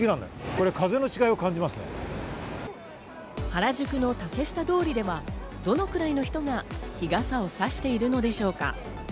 原宿の竹下通りではどのくらいの人が日傘をさしているのでしょうか？